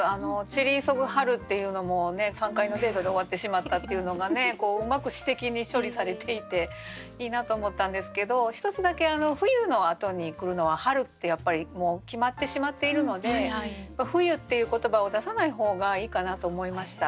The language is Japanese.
「散り急ぐ春」っていうのも３回のデートで終わってしまったっていうのがねうまく詩的に処理されていていいなと思ったんですけど１つだけ「冬」のあとに来るのは「春」ってやっぱりもう決まってしまっているので「冬」っていう言葉を出さない方がいいかなと思いました。